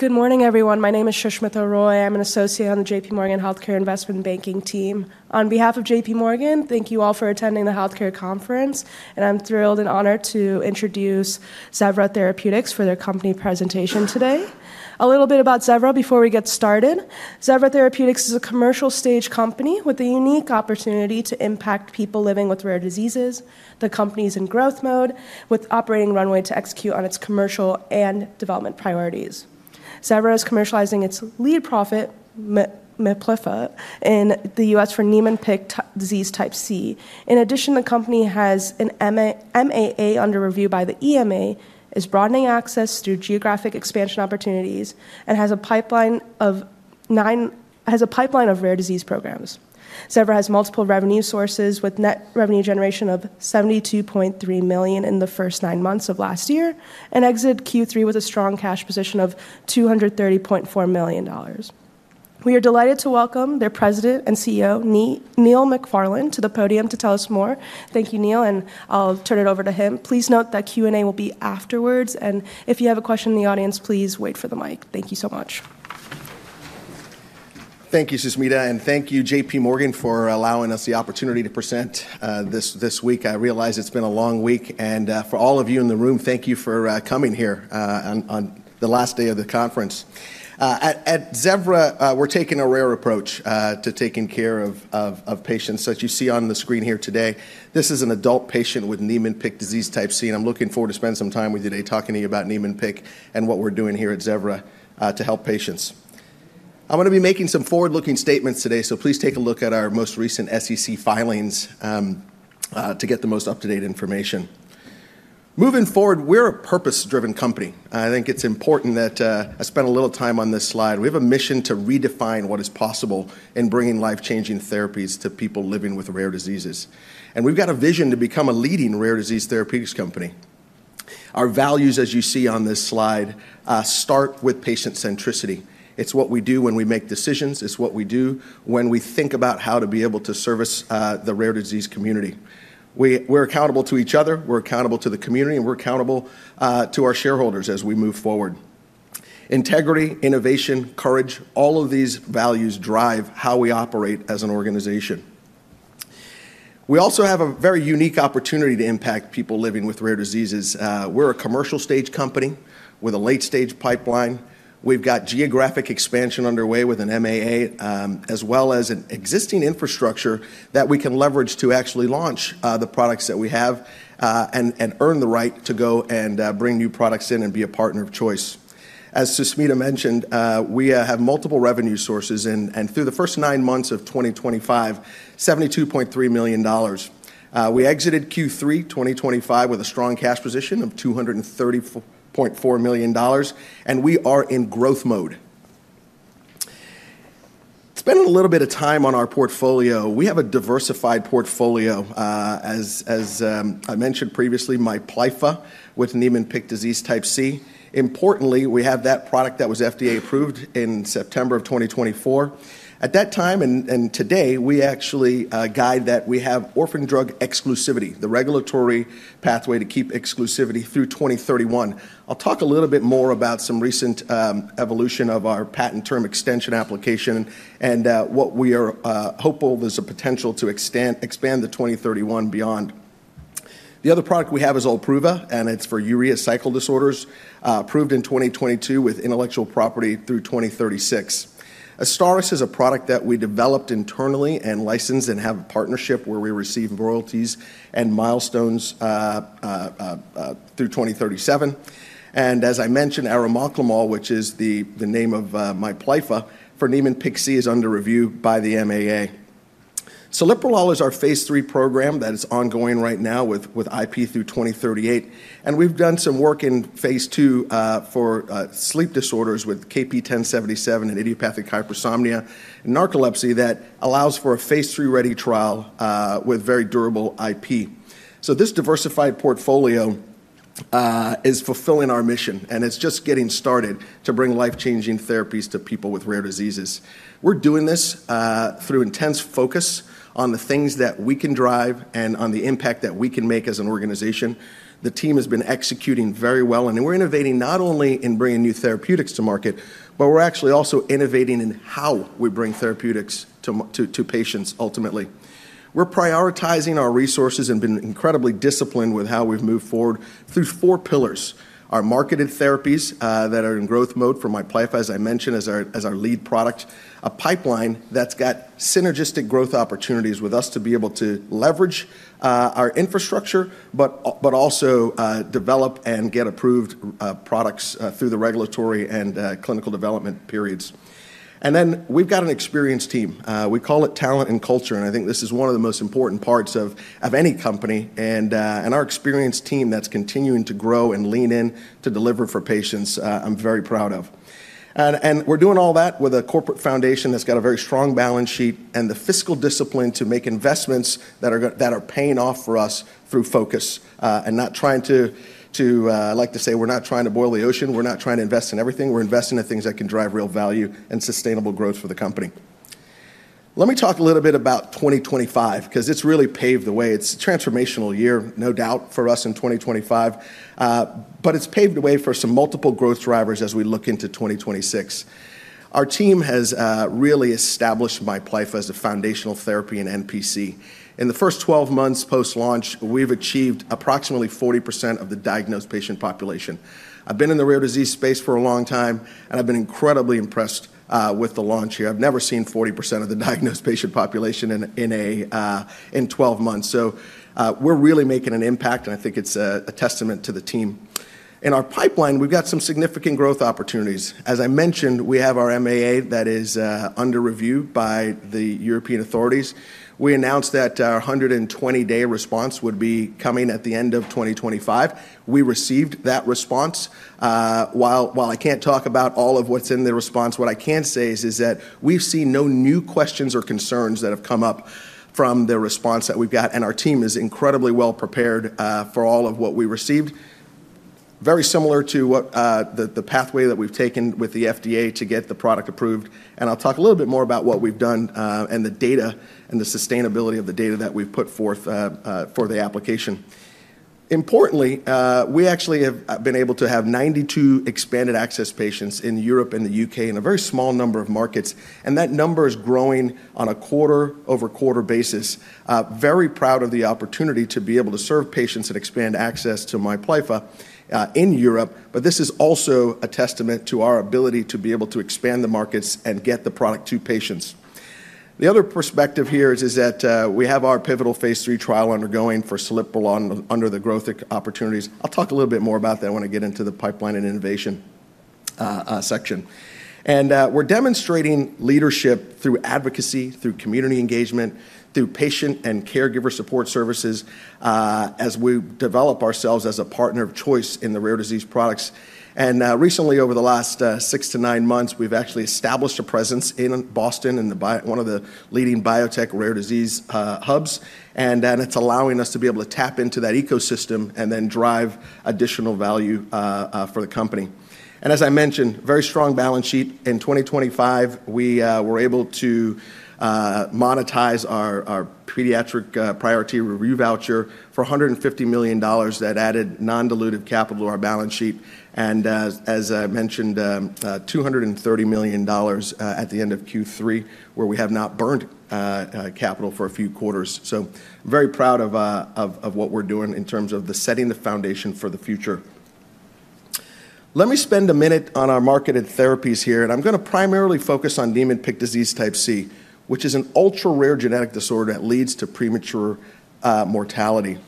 Good morning, everyone. My name is Sushmitha Roy. I'm an associate on the J.P. Morgan Healthcare Investment Banking team. On behalf of JPMorgan, thank you all for attending the healthcare conference, and I'm thrilled and honored to introduce Zevra Therapeutics for their company presentation today. A little bit about Zevra before we get started. Zevra Therapeutics is a commercial-stage company with a unique opportunity to impact people living with rare diseases. The company is in growth mode, with operating runway to execute on its commercial and development priorities. Zevra is commercializing its lead product, Miplyffa, in the U.S. for Niemann-Pick disease type C. In addition, the company has an MAA under review by the EMA, is broadening access through geographic expansion opportunities, and has a pipeline of rare disease programs. Zevra has multiple revenue sources with net revenue generation of $72.3 million in the first nine months of last year, and exited Q3 with a strong cash position of $230.4 million. We are delighted to welcome their President and CEO, Neil McFarlane, to the podium to tell us more. Thank you, Neil, and I'll turn it over to him. Please note that Q&A will be afterwards, and if you have a question in the audience, please wait for the mic. Thank you so much. Thank you, Sushmitha, and thank you, JPMorgan, for allowing us the opportunity to present this week. I realize it's been a long week, and for all of you in the room, thank you for coming here on the last day of the conference. At Zevra, we're taking a rare approach to taking care of patients, such as you see on the screen here today. This is an adult patient with Niemann-Pick disease type C, and I'm looking forward to spending some time with you today talking to you about Niemann-Pick and what we're doing here at Zevra to help patients. I'm going to be making some forward-looking statements today, so please take a look at our most recent SEC filings to get the most up-to-date information. Moving forward, we're a purpose-driven company. I think it's important that I spend a little time on this slide. We have a mission to redefine what is possible in bringing life-changing therapies to people living with rare diseases, and we've got a vision to become a leading rare disease therapeutics company. Our values, as you see on this slide, start with patient centricity. It's what we do when we make decisions. It's what we do when we think about how to be able to service the rare disease community. We're accountable to each other. We're accountable to the community, and we're accountable to our shareholders as we move forward. Integrity, innovation, courage, all of these values drive how we operate as an organization. We also have a very unique opportunity to impact people living with rare diseases. We're a commercial-stage company with a late-stage pipeline. We've got geographic expansion underway with an MAA, as well as an existing infrastructure that we can leverage to actually launch the products that we have and earn the right to go and bring new products in and be a partner of choice. As Sushmitha mentioned, we have multiple revenue sources, and through the first nine months of 2025, $72.3 million. We exited Q3 2025 with a strong cash position of $230.4 million, and we are in growth mode. Spending a little bit of time on our portfolio, we have a diversified portfolio. As I mentioned previously, Miplyffa, with Niemann-Pick disease type C. Importantly, we have that product that was FDA approved in September of 2024. At that time and today, we actually guide that we have orphan drug exclusivity, the regulatory pathway to keep exclusivity through 2031. I'll talk a little bit more about some recent evolution of our patent term extension application and what we are hopeful there's a potential to expand the 2031 beyond. The other product we have is OLPRUVA, and it's for urea cycle disorders, approved in 2022 with intellectual property through 2036. AZSTARYS is a product that we developed internally and licensed and have a partnership where we receive royalties and milestones through 2037. And as I mentioned, arimoclomol, which is the name of Miplyffa, for Niemann-Pick C is under review by the MAA. Celiprolol is our phase three program that is ongoing right now with IP through 2038, and we've done some work in phase two for sleep disorders with KP1077 and idiopathic hypersomnia and narcolepsy that allows for a phase three ready trial with very durable IP. So this diversified portfolio is fulfilling our mission, and it's just getting started to bring life-changing therapies to people with rare diseases. We're doing this through intense focus on the things that we can drive and on the impact that we can make as an organization. The team has been executing very well, and we're innovating not only in bringing new therapeutics to market, but we're actually also innovating in how we bring therapeutics to patients ultimately. We're prioritizing our resources and being incredibly disciplined with how we've moved forward through four pillars: our marketed therapies that are in growth mode for Miplyffa, as I mentioned, as our lead product. A pipeline that's got synergistic growth opportunities with us to be able to leverage our infrastructure, but also develop and get approved products through the regulatory and clinical development periods. And then we've got an experienced team. We call it talent and culture, and I think this is one of the most important parts of any company, and our experienced team that's continuing to grow and lean in to deliver for patients. I'm very proud of, and we're doing all that with a corporate foundation that's got a very strong balance sheet and the fiscal discipline to make investments that are paying off for us through focus and not trying to. I like to say, we're not trying to boil the ocean. We're not trying to invest in everything. We're investing in things that can drive real value and sustainable growth for the company. Let me talk a little bit about 2025, because it's really paved the way. It's a transformational year, no doubt, for us in 2025, but it's paved the way for some multiple growth drivers as we look into 2026. Our team has really established Miplyffa as a foundational therapy in NPC. In the first 12 months post-launch, we've achieved approximately 40% of the diagnosed patient population. I've been in the rare disease space for a long time, and I've been incredibly impressed with the launch here. I've never seen 40% of the diagnosed patient population in 12 months. So we're really making an impact, and I think it's a testament to the team. In our pipeline, we've got some significant growth opportunities. As I mentioned, we have our MAA that is under review by the European authorities. We announced that our 120-day response would be coming at the end of 2025. We received that response. While I can't talk about all of what's in the response, what I can say is that we've seen no new questions or concerns that have come up from the response that we've got, and our team is incredibly well prepared for all of what we received, very similar to the pathway that we've taken with the FDA to get the product approved, and I'll talk a little bit more about what we've done and the data and the sustainability of the data that we've put forth for the application. Importantly, we actually have been able to have 92 expanded access patients in Europe and the U.K. in a very small number of markets, and that number is growing on a quarter-over-quarter basis. Very proud of the opportunity to be able to serve patients and expand access to Miplyffa in Europe, but this is also a testament to our ability to be able to expand the markets and get the product to patients. The other perspective here is that we have our pivotal Phase III trial undergoing for Celiprolol under the growth opportunities. I'll talk a little bit more about that when I get into the pipeline and innovation section, and we're demonstrating leadership through advocacy, through community engagement, through patient and caregiver support services as we develop ourselves as a partner of choice in the rare disease products. Recently, over the last six to nine months, we've actually established a presence in Boston in one of the leading biotech rare disease hubs, and it's allowing us to be able to tap into that ecosystem and then drive additional value for the company. As I mentioned, very strong balance sheet. In 2025, we were able to monetize our Pediatric Priority Review Voucher for $150 million that added non-dilutive capital to our balance sheet. As I mentioned, $230 million at the end of Q3, where we have not burned capital for a few quarters. Very proud of what we're doing in terms of setting the foundation for the future. Let me spend a minute on our marketed therapies here, and I'm going to primarily focus on Niemann-Pick disease type C, which is an ultra-rare genetic disorder that leads to premature mortality.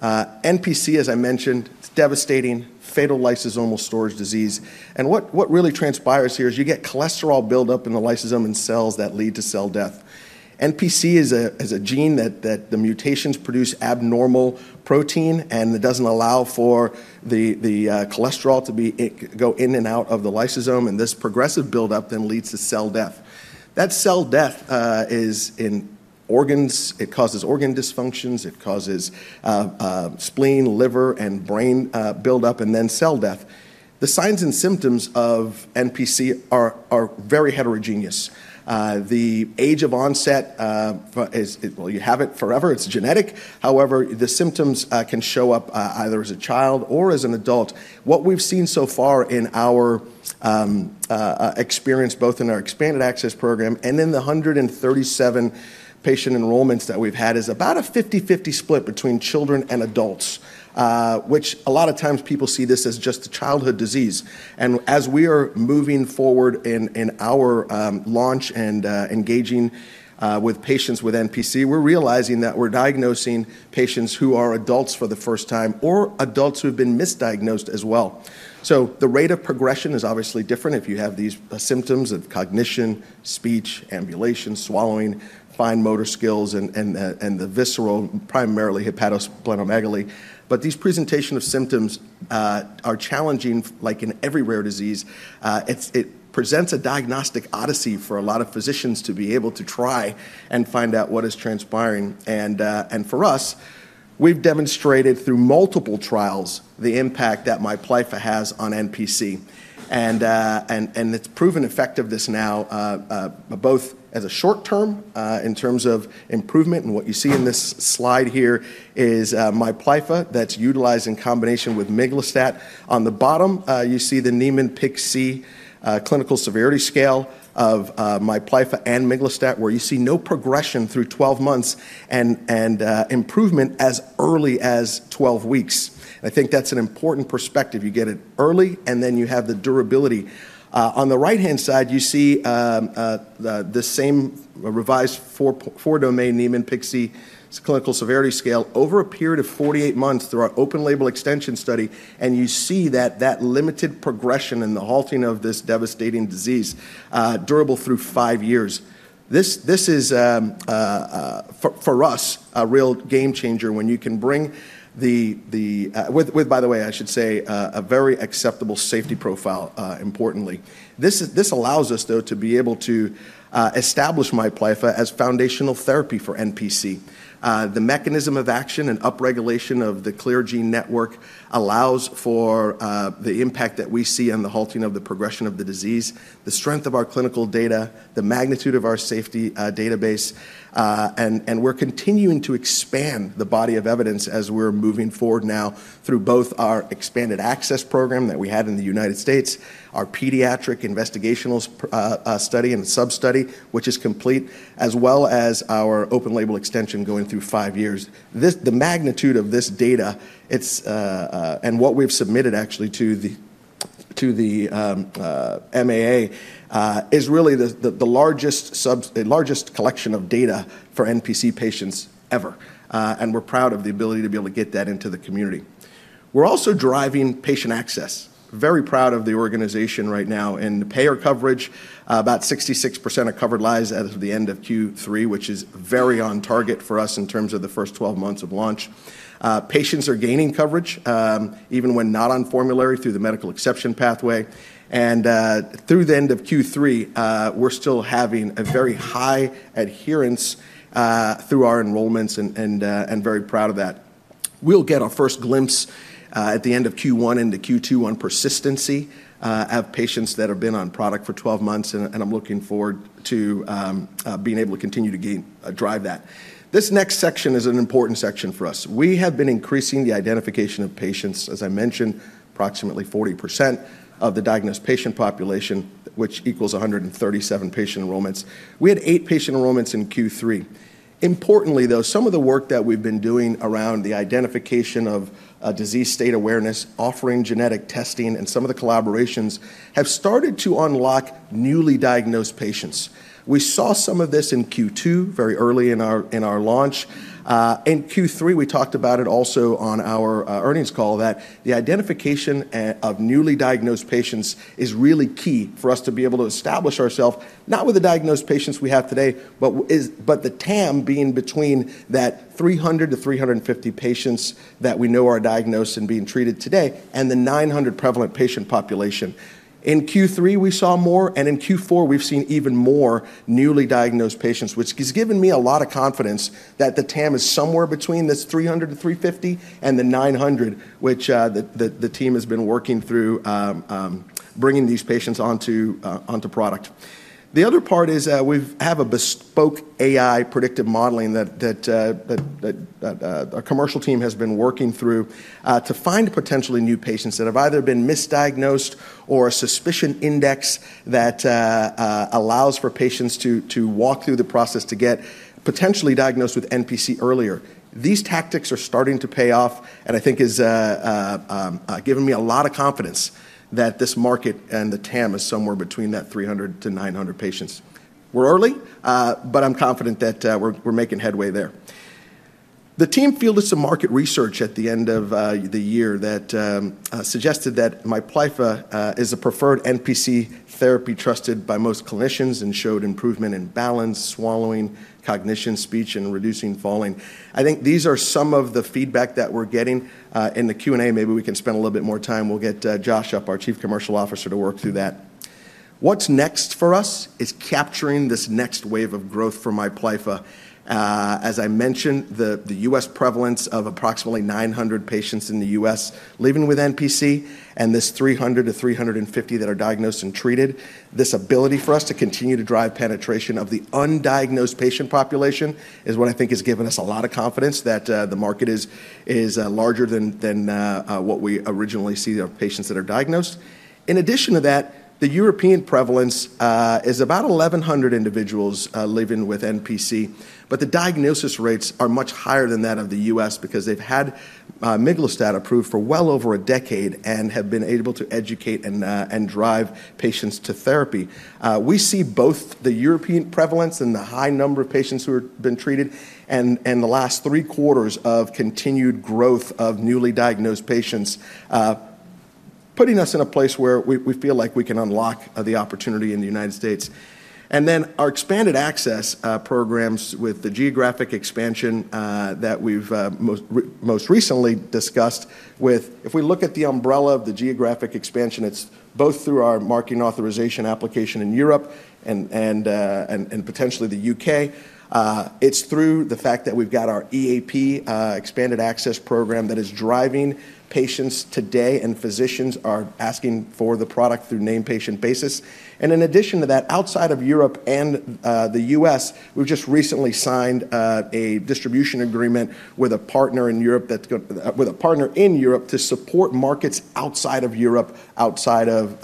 NPC, as I mentioned, it's devastating, fatal lysosomal storage disease. And what really transpires here is you get cholesterol buildup in the lysosome and cells that lead to cell death. NPC is a gene that the mutations produce abnormal protein and that doesn't allow for the cholesterol to go in and out of the lysosome, and this progressive buildup then leads to cell death. That cell death is in organs. It causes organ dysfunctions. It causes spleen, liver, and brain buildup, and then cell death. The signs and symptoms of NPC are very heterogeneous. The age of onset is, well, you have it forever. It's genetic. However, the symptoms can show up either as a child or as an adult. What we've seen so far in our experience, both in our expanded access program and in the 137 patient enrollments that we've had, is about a 50/50 split between children and adults, which a lot of times people see this as just a childhood disease, and as we are moving forward in our launch and engaging with patients with NPC, we're realizing that we're diagnosing patients who are adults for the first time or adults who have been misdiagnosed as well, so the rate of progression is obviously different if you have these symptoms of cognition, speech, ambulation, swallowing, fine motor skills, and the visceral, primarily hepatosplenomegaly, but these presentations of symptoms are challenging, like in every rare disease. It presents a diagnostic odyssey for a lot of physicians to be able to try and find out what is transpiring. For us, we've demonstrated through multiple trials the impact that Miplyffa has on NPC, and it's proven effectiveness now, both as a short-term in terms of improvement. What you see in this slide here is Miplyffa that's utilized in combination with miglustat. On the bottom, you see the Niemann-Pick C clinical severity scale of Miplyffa and miglustat, where you see no progression through 12 months and improvement as early as 12 weeks. I think that's an important perspective. You get it early, and then you have the durability. On the right-hand side, you see the same revised four-domain Niemann-Pick C clinical severity scale over a period of 48 months through our open label extension study, and you see that limited progression and the halting of this devastating disease durable through five years. This is, for us, a real game changer when you can bring the, with, by the way, I should say, a very acceptable safety profile, importantly. This allows us, though, to be able to establish Miplyffa as foundational therapy for NPC. The mechanism of action and upregulation of the CLEAR gene network allows for the impact that we see in the halting of the progression of the disease, the strength of our clinical data, the magnitude of our safety database, and we're continuing to expand the body of evidence as we're moving forward now through both our expanded access program that we had in the United States, our pediatric investigational study and sub-study, which is complete, as well as our open label extension going through five years. The magnitude of this data and what we've submitted actually to the MAA is really the largest collection of data for NPC patients ever, and we're proud of the ability to be able to get that into the community. We're also driving patient access. Very proud of the organization right now. In the payer coverage, about 66% of covered lives as of the end of Q3, which is very on target for us in terms of the first 12 months of launch. Patients are gaining coverage even when not on formulary through the medical exception pathway, and through the end of Q3, we're still having a very high adherence through our enrollments, and very proud of that. We'll get our first glimpse at the end of Q1 into Q2 on persistency of patients that have been on product for 12 months, and I'm looking forward to being able to continue to drive that. This next section is an important section for us. We have been increasing the identification of patients, as I mentioned, approximately 40% of the diagnosed patient population, which equals 137 patient enrollments. We had eight patient enrollments in Q3. Importantly, though, some of the work that we've been doing around the identification of disease state awareness, offering genetic testing, and some of the collaborations have started to unlock newly diagnosed patients. We saw some of this in Q2 very early in our launch. In Q3, we talked about it also on our earnings call that the identification of newly diagnosed patients is really key for us to be able to establish ourselves, not with the diagnosed patients we have today, but the TAM being between that 300 to 350 patients that we know are diagnosed and being treated today and the 900 prevalent patient population. In Q3, we saw more, and in Q4, we've seen even more newly diagnosed patients, which has given me a lot of confidence that the TAM is somewhere between this 300 to 350 and the 900, which the team has been working through bringing these patients onto product. The other part is we have a bespoke AI predictive modeling that our commercial team has been working through to find potentially new patients that have either been misdiagnosed or a suspicion index that allows for patients to walk through the process to get potentially diagnosed with NPC earlier. These tactics are starting to pay off, and I think it's given me a lot of confidence that this market and the TAM is somewhere between that 300-900 patients. We're early, but I'm confident that we're making headway there. The team fielded some market research at the end of the year that suggested that Miplyffa is a preferred NPC therapy trusted by most clinicians and showed improvement in balance, swallowing, cognition, speech, and reducing falling. I think these are some of the feedback that we're getting in the Q&A. Maybe we can spend a little bit more time. We'll get Josh up, our Chief Commercial Officer, to work through that. What's next for us is capturing this next wave of growth for Miplyffa. As I mentioned, the U.S. prevalence of approximately 900 patients in the U.S. living with NPC and this 300-350 that are diagnosed and treated, this ability for us to continue to drive penetration of the undiagnosed patient population is what I think has given us a lot of confidence that the market is larger than what we originally see of patients that are diagnosed. In addition to that, the European prevalence is about 1,100 individuals living with NPC, but the diagnosis rates are much higher than that of the U.S. because they've had miglustat approved for well over a decade and have been able to educate and drive patients to therapy. We see both the European prevalence and the high number of patients who have been treated and the last three quarters of continued growth of newly diagnosed patients putting us in a place where we feel like we can unlock the opportunity in the United States, and then our expanded access programs with the geographic expansion that we've most recently discussed with, if we look at the umbrella of the geographic expansion, it's both through our marketing authorization application in Europe and potentially the U.K. It's through the fact that we've got our EAP expanded access program that is driving patients today, and physicians are asking for the product through named patient basis. In addition to that, outside of Europe and the U.S., we've just recently signed a distribution agreement with a partner in Europe to support markets outside of Europe, outside of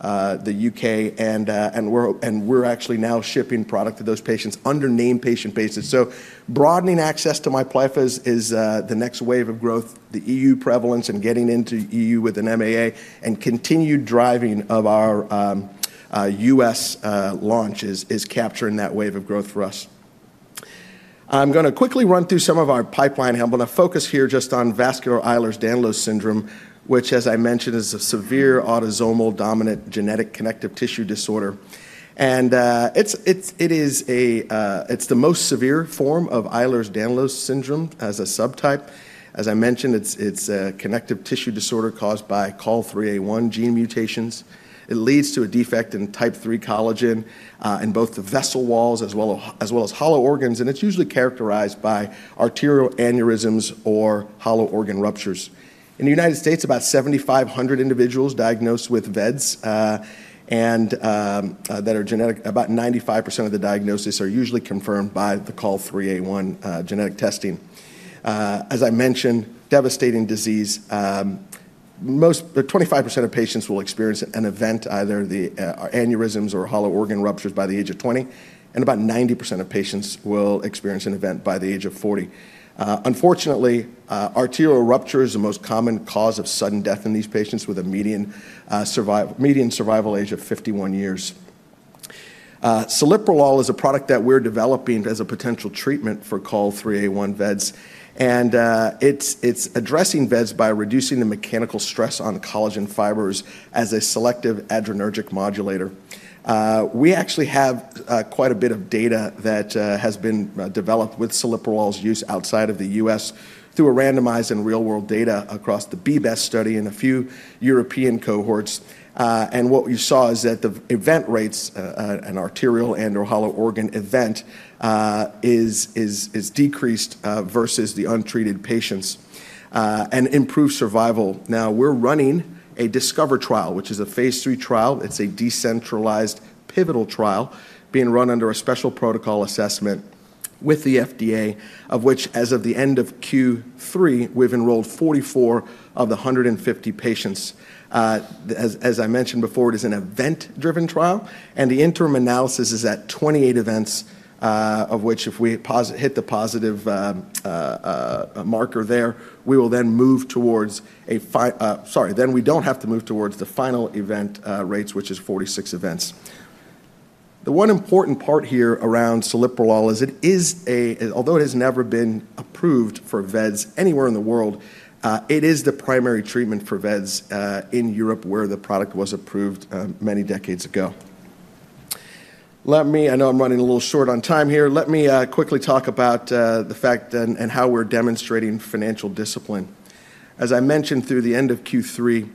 the U.K., and we're actually now shipping product to those patients under name patient basis. So broadening access to Miplyffa is the next wave of growth. The E.U. prevalence and getting into E.U with an MAA and continued driving of our U.S. launch is capturing that wave of growth for us. I'm going to quickly run through some of our pipeline, and I'm going to focus here just on vascular Ehlers-Danlos syndrome, which, as I mentioned, is a severe autosomal dominant genetic connective tissue disorder. And it's the most severe form of Ehlers-Danlos syndrome as a subtype. As I mentioned, it's a connective tissue disorder caused by COL3A1 gene mutations. It leads to a defect in type III collagen in both the vessel walls as well as hollow organs, and it's usually characterized by arterial aneurysms or hollow organ ruptures. In the United States, about 7,500 individuals diagnosed with vEDS that are genetic, about 95% of the diagnosis are usually confirmed by the COL3A1 genetic testing. As I mentioned, devastating disease. 25% of patients will experience an event, either the aneurysms or hollow organ ruptures by the age of 20, and about 90% of patients will experience an event by the age of 40. Unfortunately, arterial rupture is the most common cause of sudden death in these patients with a median survival age of 51 years. Celiprolol is a product that we're developing as a potential treatment for COL3A1 vEDS, and it's addressing vEDS by reducing the mechanical stress on collagen fibers as a selective adrenergic modulator. We actually have quite a bit of data that has been developed with celiprolol's use outside of the U.S. through a randomized and real-world data across the BBEST study and a few European cohorts. What we saw is that the event rates, an arterial and/or hollow organ event, is decreased versus the untreated patients and improved survival. Now, we're running a DiSCOVER trial, which is a phase three trial. It's a decentralized pivotal trial being run under a Special Protocol Assessment with the FDA, of which, as of the end of Q3, we've enrolled 44 of the 150 patients. As I mentioned before, it is an event-driven trial, and the interim analysis is at 28 events, of which if we hit the positive marker there, we will then move towards. Then we don't have to move towards the final event rates, which is 46 events. The one important part here around celiprolol is, although it has never been approved for vEDS anywhere in the world, it is the primary treatment for vEDS in Europe where the product was approved many decades ago. I know I'm running a little short on time here. Let me quickly talk about the fact and how we're demonstrating financial discipline. As I mentioned, through the end of Q3,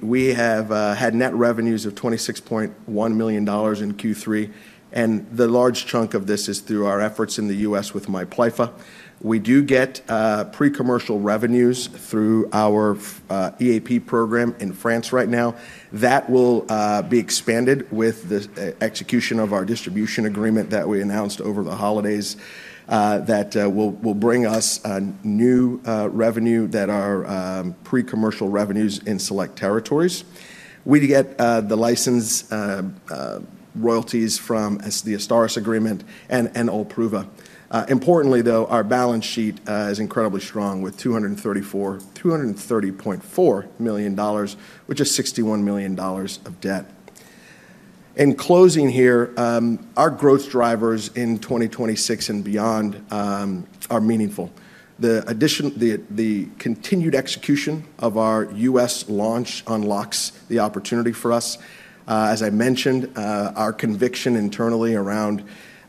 we have had net revenues of $26.1 million in Q3, and the large chunk of this is through our efforts in the U.S. with Miplyffa. We do get pre-commercial revenues through our EAP program in France right now. That will be expanded with the execution of our distribution agreement that we announced over the holidays that will bring us new revenue that are pre-commercial revenues in select territories. We get the license royalties from the AZSTARYS agreement and OLPRUVA. Importantly, though, our balance sheet is incredibly strong with $230.4 million, which is $61 million of debt. In closing here, our growth drivers in 2026 and beyond are meaningful. The continued execution of our U.S. launch unlocks the opportunity for us. As I mentioned, our conviction internally around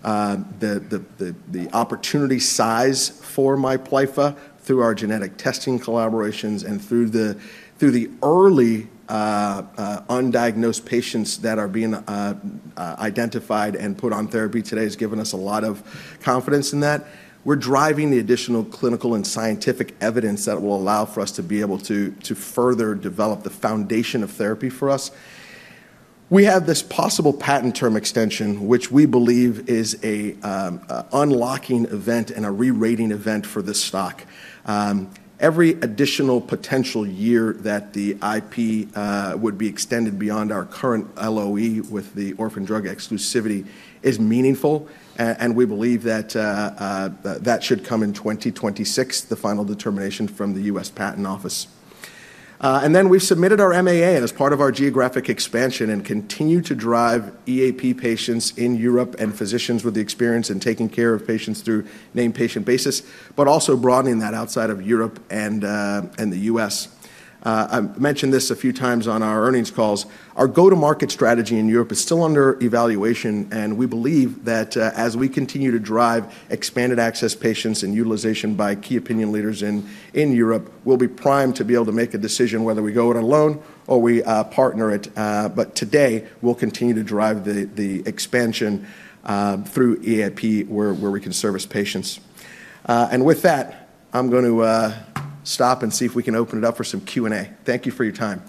the opportunity size for Miplyffa through our genetic testing collaborations and through the early undiagnosed patients that are being identified and put on therapy today has given us a lot of confidence in that. We're driving the additional clinical and scientific evidence that will allow for us to be able to further develop the foundation of therapy for us. We have this possible patent term extension, which we believe is an unlocking event and a re-rating event for this stock. Every additional potential year that the IP would be extended beyond our current LOE with the orphan drug exclusivity is meaningful, and we believe that that should come in 2026, the final determination from the U.S. Patent Office, and then we've submitted our MAA as part of our geographic expansion and continue to drive EAP patients in Europe and physicians with the experience in taking care of patients through named patient basis, but also broadening that outside of Europe and the U.S. I mentioned this a few times on our earnings calls. Our go-to-market strategy in Europe is still under evaluation, and we believe that as we continue to drive expanded access patients and utilization by key opinion leaders in Europe, we'll be primed to be able to make a decision whether we go it alone or we partner it. But today, we'll continue to drive the expansion through EAP where we can service patients. And with that, I'm going to stop and see if we can open it up for some Q&A. Thank you for your time.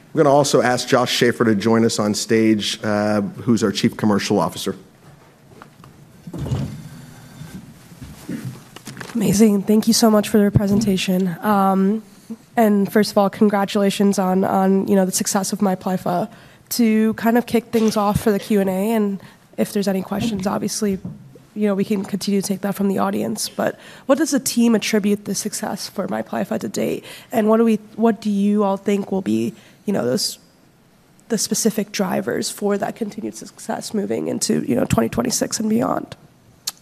I'm going to also ask Josh Schafer to join us on stage, who's our Chief Commercial Officer. Amazing. Thank you so much for the presentation. And first of all, congratulations on the success of Miplyffa. To kind of kick things off for the Q&A, and if there's any questions, obviously, we can continue to take that from the audience. But what does the team attribute the success for Miplyffa to date, and what do you all think will be the specific drivers for that continued success moving into 2026 and beyond?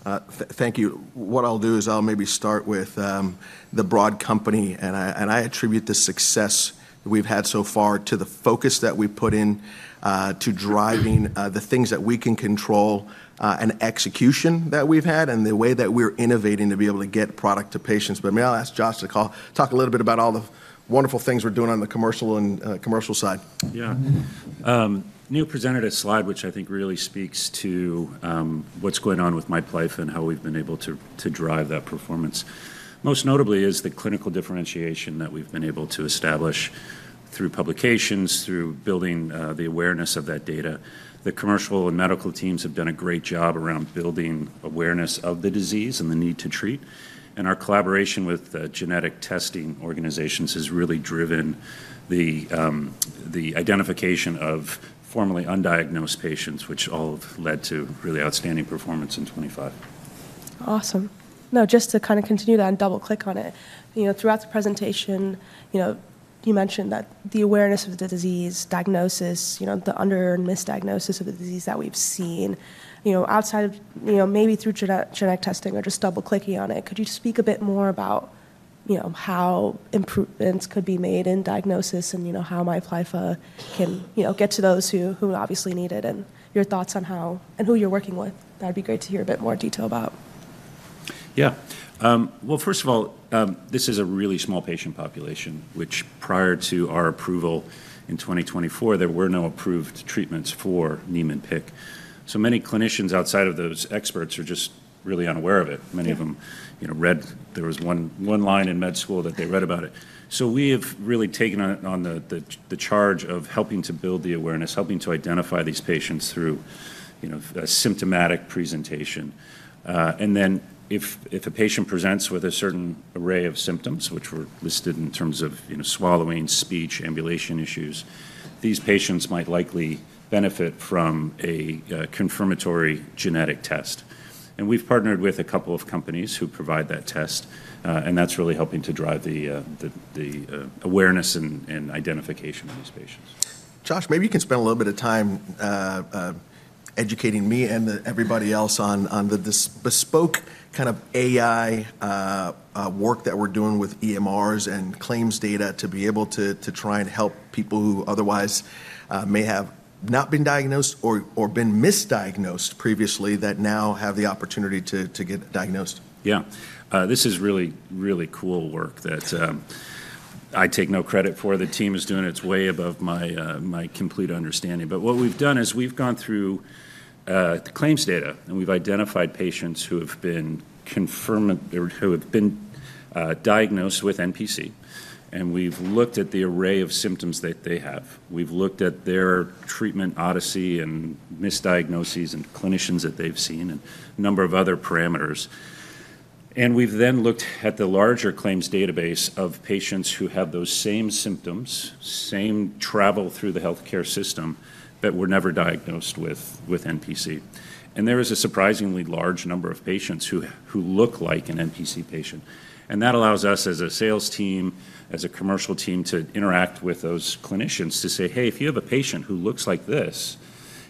Thank you. What I'll do is I'll maybe start with the broad company, and I attribute the success we've had so far to the focus that we put in to driving the things that we can control and execution that we've had and the way that we're innovating to be able to get product to patients. But may I ask Josh to talk a little bit about all the wonderful things we're doing on the commercial side? Yeah. Neil presented a slide which I think really speaks to what's going on with Miplyffa and how we've been able to drive that performance. Most notably is the clinical differentiation that we've been able to establish through publications, through building the awareness of that data. The commercial and medical teams have done a great job around building awareness of the disease and the need to treat, and our collaboration with genetic testing organizations has really driven the identification of formerly undiagnosed patients, which all led to really outstanding performance in 2025. Awesome. No, just to kind of continue that and double-click on it. Throughout the presentation, you mentioned that the awareness of the disease diagnosis, the under misdiagnosis of the disease that we've seen outside of maybe through genetic testing or just double-clicking on it. Could you speak a bit more about how improvements could be made in diagnosis and how Miplyffa can get to those who obviously need it and your thoughts on how and who you're working with? That'd be great to hear a bit more detail about. Yeah. Well, first of all, this is a really small patient population, which prior to our approval in 2024, there were no approved treatments for Niemann-Pick. So many clinicians outside of those experts are just really unaware of it. Many of them read, there was one line in med school that they read about it. So we have really taken on the charge of helping to build the awareness, helping to identify these patients through a symptomatic presentation. And then if a patient presents with a certain array of symptoms, which were listed in terms of swallowing, speech, ambulation issues, these patients might likely benefit from a confirmatory genetic test. And we've partnered with a couple of companies who provide that test, and that's really helping to drive the awareness and identification of these patients. Josh, maybe you can spend a little bit of time educating me and everybody else on the bespoke kind of AI work that we're doing with EMRs and claims data to be able to try and help people who otherwise may have not been diagnosed or been misdiagnosed previously that now have the opportunity to get diagnosed. Yeah. This is really, really cool work that I take no credit for. The team is doing it's way above my complete understanding. But what we've done is we've gone through claims data and we've identified patients who have been confirmed diagnosed with NPC, and we've looked at the array of symptoms that they have. We've looked at their treatment odyssey and misdiagnoses and clinicians that they've seen and a number of other parameters. And we've then looked at the larger claims database of patients who have those same symptoms, same travel through the healthcare system that were never diagnosed with NPC. And there is a surprisingly large number of patients who look like an NPC patient. That allows us as a sales team, as a commercial team, to interact with those clinicians to say, "Hey, if you have a patient who looks like this,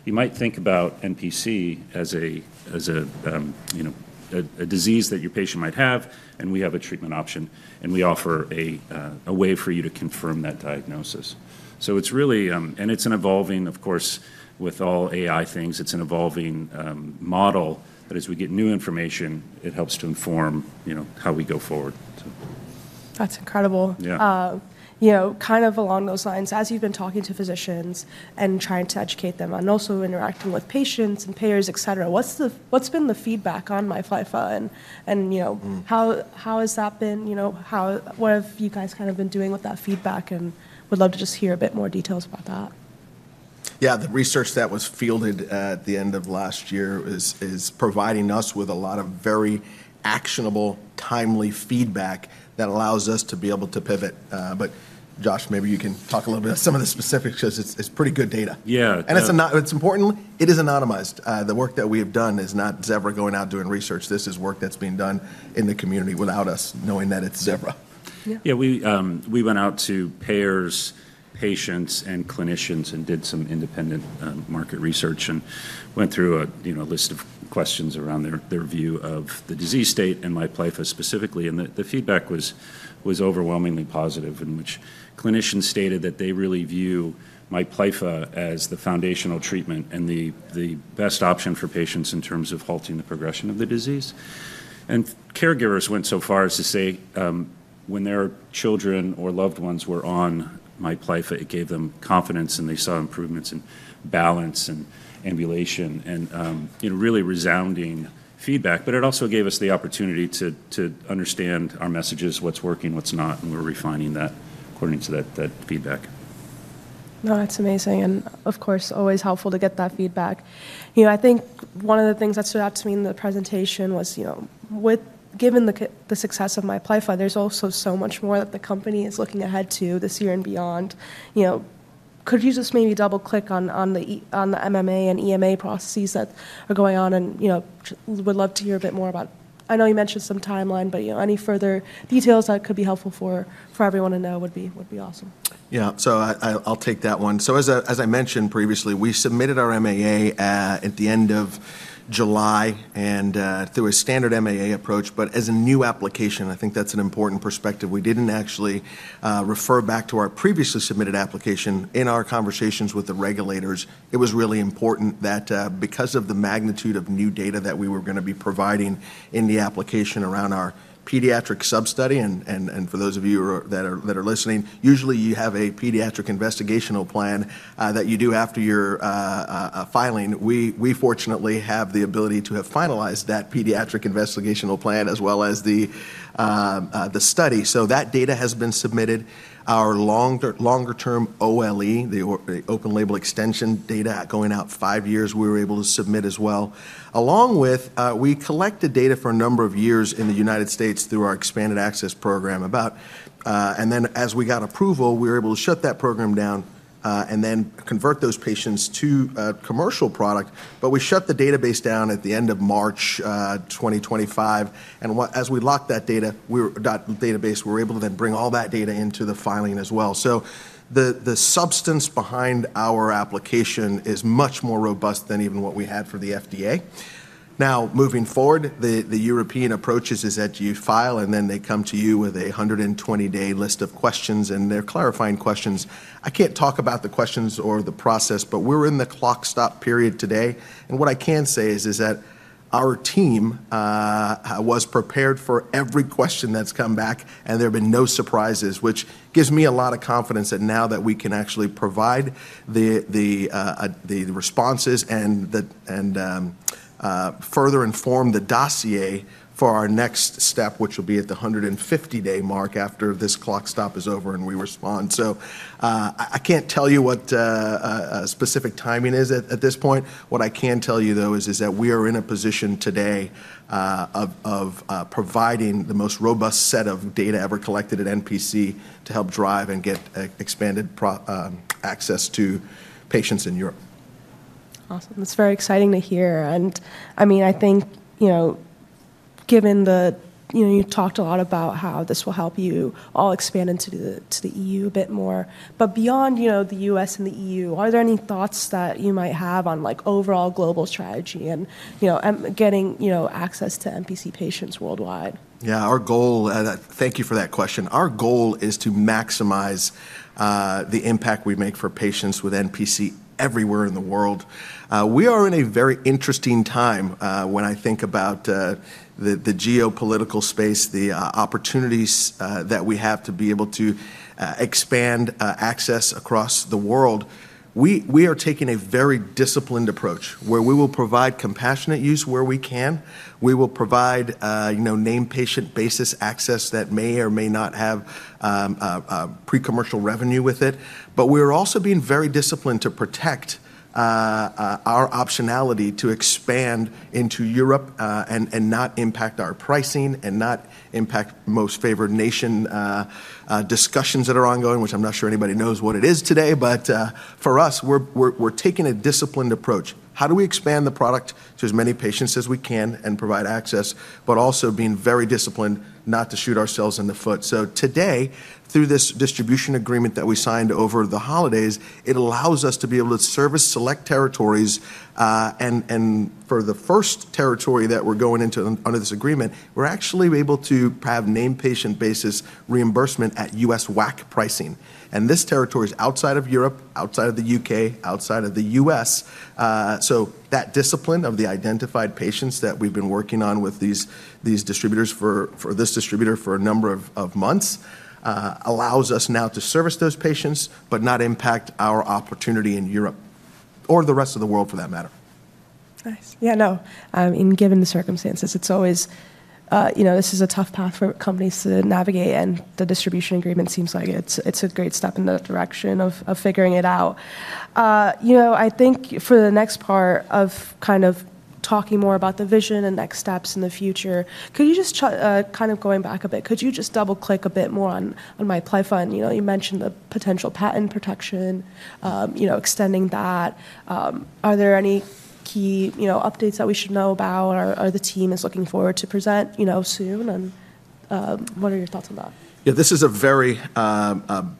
you might think about NPC as a disease that your patient might have, and we have a treatment option, and we offer a way for you to confirm that diagnosis." So it's really, and it's an evolving, of course, with all AI things, it's an evolving model that as we get new information, it helps to inform how we go forward. That's incredible. Kind of along those lines, as you've been talking to physicians and trying to educate them and also interacting with patients and payers, etc., what's been the feedback on Miplyffa? And Neil how has that been? What have you guys kind of been doing with that feedback? And would love to just hear a bit more details about that. Yeah. The research that was fielded at the end of last year is providing us with a lot of very actionable, timely feedback that allows us to be able to pivot. But Josh, maybe you can talk a little bit of some of the specifics because it's pretty good data. Yeah. It's important. It is anonymized. The work that we have done is not Zevra going out doing research. This is work that's being done in the community without us knowing that it's Zevra. Yeah. We went out to payers, patients, and clinicians and did some independent market research and went through a list of questions around their view of the disease state and Miplyffa specifically, and the feedback was overwhelmingly positive, in which clinicians stated that they really view Miplyffa as the foundational treatment and the best option for patients in terms of halting the progression of the disease, and caregivers went so far as to say when their children or loved ones were on Miplyffa, it gave them confidence and they saw improvements in balance and ambulation and really resounding feedback, but it also gave us the opportunity to understand our messages, what's working, what's not, and we're refining that according to that feedback. Now, that's amazing, and of course, always helpful to get that feedback. I think one of the things that stood out to me in the presentation was, given the success of Miplyffa, there's also so much more that the company is looking ahead to this year and beyond. Could you just maybe double-click on the MAA and EMA processes that are going on and would love to hear a bit more about? I know you mentioned some timeline, but any further details that could be helpful for everyone to know would be awesome. Yeah. So I'll take that one. So as I mentioned previously, we submitted our MAA at the end of July and through a standard MAA approach. But as a new application, I think that's an important perspective. We didn't actually refer back to our previously submitted application. In our conversations with the regulators, it was really important that because of the magnitude of new data that we were going to be providing in the application around our pediatric sub-study, and for those of you that are listening, usually you have a pediatric investigational plan that you do after your filing. We fortunately have the ability to have finalized that pediatric investigational plan as well as the study. So that data has been submitted. Our longer-term OLE, the open label extension data going out five years, we were able to submit as well. Along with, we collected data for a number of years in the United States through our expanded access program. And then as we got approval, we were able to shut that program down and then convert those patients to a commercial product. But we shut the database down at the end of March 2025. And as we locked that database, we were able to then bring all that data into the filing as well. So the substance behind our application is much more robust than even what we had for the FDA. Now, moving forward, the European approach is that you file, and then they come to you with a 120-day list of questions, and they're clarifying questions. I can't talk about the questions or the process, but we're in the clock stop period today. What I can say is that our team was prepared for every question that's come back, and there have been no surprises, which gives me a lot of confidence that now that we can actually provide the responses and further inform the dossier for our next step, which will be at the 150-day mark after this clock stop is over and we respond. I can't tell you what specific timing is at this point. What I can tell you, though, is that we are in a position today of providing the most robust set of data ever collected at NPC to help drive and get expanded access to patients in Europe. Awesome. That's very exciting to hear. And I mean, I think given the—you talked a lot about how this will help you all expand into the E.U. a bit more. But beyond the U.S. and the E.U., are there any thoughts that you might have on overall global strategy and getting access to NPC patients worldwide? Yeah. Thank you for that question. Our goal is to maximize the impact we make for patients with NPC everywhere in the world. We are in a very interesting time when I think about the geopolitical space, the opportunities that we have to be able to expand access across the world. We are taking a very disciplined approach where we will provide compassionate use where we can. We will provide name patient basis access that may or may not have pre-commercial revenue with it. But we are also being very disciplined to protect our optionality to expand into Europe and not impact our pricing and not impact most favored nation discussions that are ongoing, which I'm not sure anybody knows what it is today. But for us, we're taking a disciplined approach. How do we expand the product to as many patients as we can and provide access, but also being very disciplined not to shoot ourselves in the foot? So today, through this distribution agreement that we signed over the holidays, it allows us to be able to service select territories. And for the first territory that we're going into under this agreement, we're actually able to have named patient basis reimbursement at U.S. WAC pricing. And this territory is outside of Europe, outside of the U.K., outside of the U.S. So that discipline of the identified patients that we've been working on with these distributors for this distributor for a number of months allows us now to service those patients but not impact our opportunity in Europe or the rest of the world for that matter. Nice. You know given the circumstances, it's always, this is a tough path for companies to navigate, and the distribution agreement seems like it's a great step in that direction of figuring it out. I think for the next part of kind of talking more about the vision and next steps in the future, could you just kind of going back a bit, could you just double-click a bit more on Miplyffa? And you mentioned the potential patent protection, extending that. Are there any key updates that we should know about or the team is looking forward to present soon? And what are your thoughts on that? Yeah, this is a very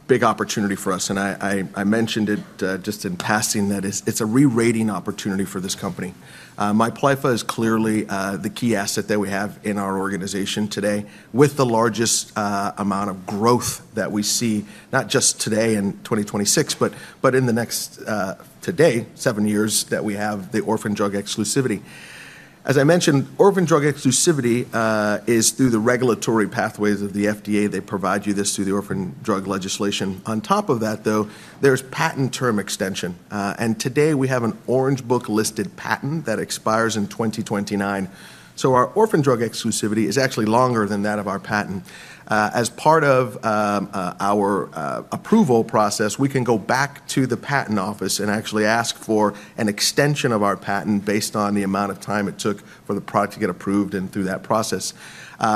big opportunity for us. And I mentioned it just in passing that it's a re-rating opportunity for this company. Miplyffa is clearly the key asset that we have in our organization today with the largest amount of growth that we see, not just today in 2026, but in the next today, seven years that we have the orphan drug exclusivity. As I mentioned, orphan drug exclusivity is through the regulatory pathways of the FDA. They provide you this through the orphan drug legislation. On top of that, though, there's patent term extension. And today we have an Orange Book listed patent that expires in 2029. So our orphan drug exclusivity is actually longer than that of our patent. As part of our approval process, we can go back to the patent office and actually ask for an extension of our patent based on the amount of time it took for the product to get approved and through that process.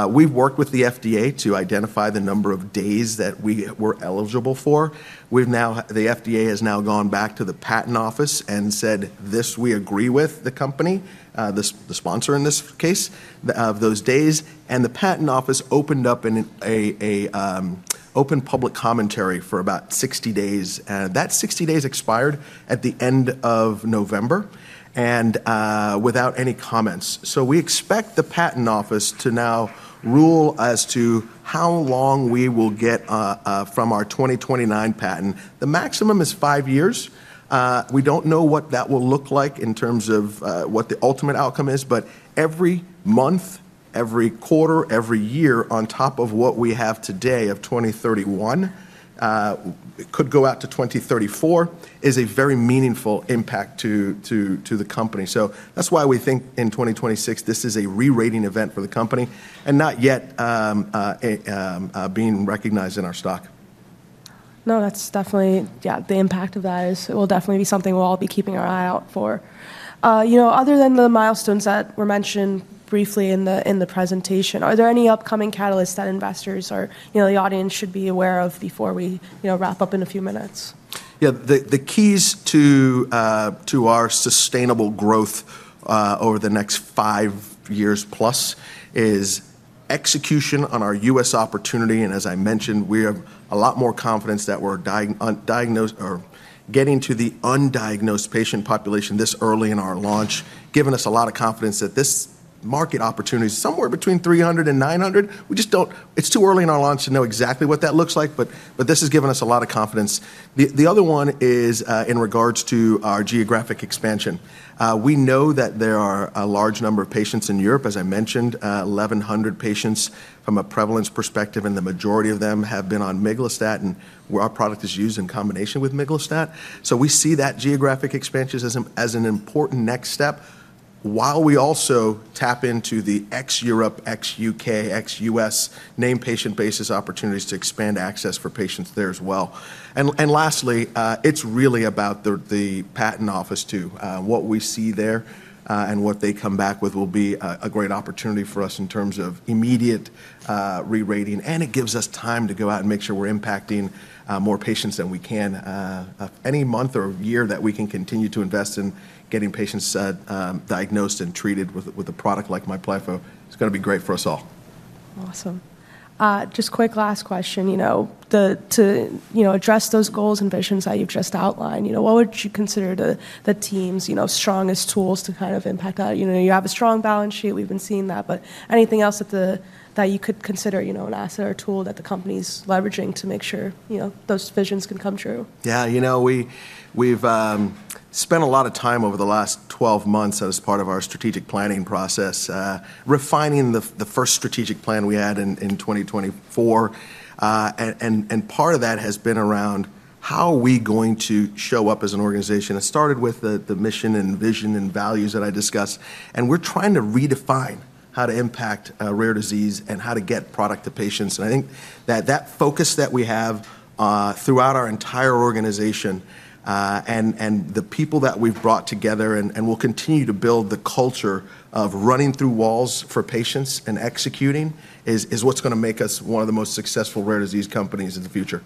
We've worked with the FDA to identify the number of days that we were eligible for. The FDA has now gone back to the patent office and said, "This we agree with the company, the sponsor in this case, of those days." And the patent office opened up an open public commentary for about 60 days. That 60 days expired at the end of November and without any comments. So we expect the patent office to now rule as to how long we will get from our 2029 patent. The maximum is five years. We don't know what that will look like in terms of what the ultimate outcome is, but every month, every quarter, every year on top of what we have today of 2031, it could go out to 2034, is a very meaningful impact to the company. So that's why we think in 2026, this is a re-rating event for the company and not yet being recognized in our stock. Now, that's definitely, yeah, the impact of that is it will definitely be something we'll all be keeping our eye out for. Other than the milestones that were mentioned briefly in the presentation, are there any upcoming catalysts that investors or the audience should be aware of before we wrap up in a few minutes? Yeah. The keys to our sustainable growth over the next five years plus is execution on our U.S. opportunity. And as I mentioned, we have a lot more confidence that we're getting to the undiagnosed patient population this early in our launch, giving us a lot of confidence that this market opportunity is somewhere between 300 and 900. We just don't. It's too early in our launch to know exactly what that looks like, but this has given us a lot of confidence. The other one is in regards to our geographic expansion. We know that there are a large number of patients in Europe, as I mentioned, 1,100 patients from a prevalence perspective, and the majority of them have been on miglustat and where our product is used in combination with miglustat. So we see that geographic expansion as an important next step while we also tap into the ex-Europe, ex-U.K., ex-U.S. named patient basis opportunities to expand access for patients there as well. And lastly, it's really about the patent office too. What we see there and what they come back with will be a great opportunity for us in terms of immediate re-rating. And it gives us time to go out and make sure we're impacting more patients than we can. Any month or year that we can continue to invest in getting patients diagnosed and treated with a product like Miplyffa, it's going to be great for us all. Awesome. Just quick last question. To address those goals and visions that you've just outlined, what would you consider the team's strongest tools to kind of impact that? You have a strong balance sheet. We've been seeing that. But anything else that you could consider an asset or tool that the company's leveraging to make sure those visions can come true? Yeah. You know, we've spent a lot of time over the last 12 months as part of our strategic planning process, refining the first strategic plan we had in 2024. And part of that has been around how are we going to show up as an organization. It started with the mission and vision and values that I discussed. And we're trying to redefine how to impact rare disease and how to get product to patients. And I think that focus that we have throughout our entire organization and the people that we've brought together and will continue to build the culture of running through walls for patients and executing is what's going to make us one of the most successful rare disease companies in the future.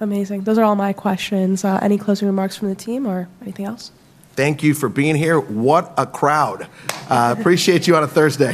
Amazing. Those are all my questions. Any closing remarks from the team or anything else? Thank you for being here. What a crowd. Appreciate you on a Thursday.